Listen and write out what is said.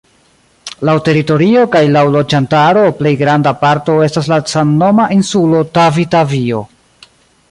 Laŭ teritorio kaj laŭ loĝantaro plej granda parto estas la samnoma insulo Tavi-Tavio.